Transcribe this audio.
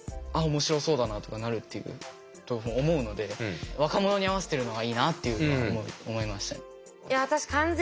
面白そうだなとかなるっていうと思うので若者に合わせてるのがいいなっていうのは思いましたね。